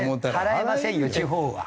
払えませんよ地方は。